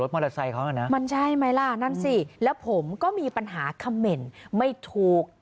หึใช่หรอมันใช่ไหมล่ะนั่นสิแล้วผมก็มีปัญหาคำเหม็นไม่ถูก